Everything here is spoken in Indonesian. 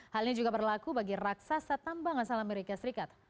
hal ini juga berlaku bagi raksasa tambang asal amerika serikat